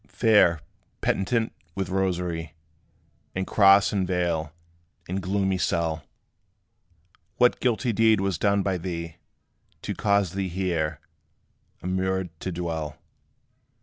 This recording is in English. Fair penitent, with rosary, And cross and veil, in gloomy cell, What guilty deed was done by thee, To cause thee here immured to dwell?